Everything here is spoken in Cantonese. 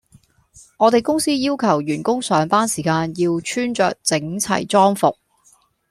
我哋公司要求員工上班時間要穿著整齊裝服